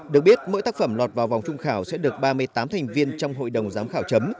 được biết mỗi tác phẩm lọt vào vòng trung khảo sẽ được ba mươi tám thành viên trong hội đồng giám khảo chấm